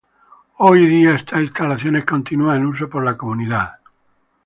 Hoy día estas instalaciones continúan en uso por la comunidad.